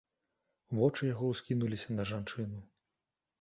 Вочы яго ўскінуліся на жанчыну.